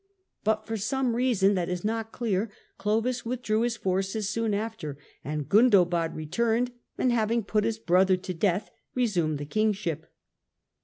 But for some reason that is not clear, Clovis withdrew his forces soon after and Gundobad returned, and, having put his brother to death, resumed the kingship.